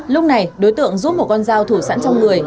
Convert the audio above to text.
lúc này đối tượng giúp một con dao thủ sẵn trong người